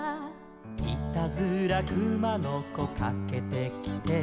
「いたずらくまのこかけてきて」